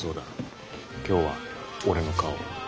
今日は俺の顔。